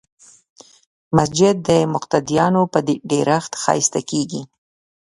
مسجد د مقتدیانو په ډېرښت ښایسته کېږي.